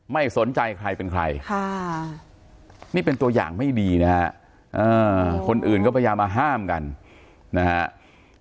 ไม่สนใจใครเป็นใครนี่เป็นตัวอย่างไม่ดีนะฮะคนอื่นก็พยายามมาห้ามกันนะฮะ